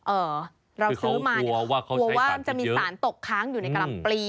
เอ่อเราซื้อมาเนี่ยกลัวว่ามันจะมีสารตกค้างอยู่ในกลำปลี